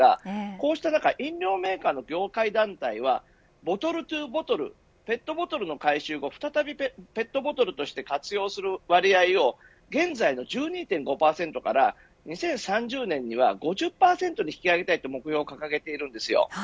こうした中、飲料メーカーの業界団体はボトルＴＯボトルというペットボトルの回収後、再びペットボトルとして活用する割合を現在の１２．５％から２０３０年には５０％に引き上げたいと目標を掲げています。